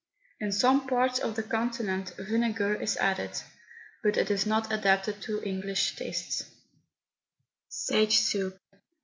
In some parts of the Continent vinegar is added, but it is not adapted to English taste. SAGO SOUP.